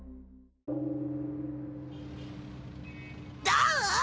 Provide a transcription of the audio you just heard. どう？